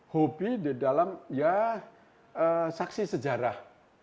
hobi di dalam ya saksi sejarah